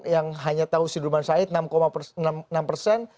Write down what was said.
yang hanya tahu sudirman said enam enam persen